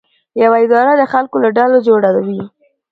یوه اداره د خلکو له ډلو جوړه وي.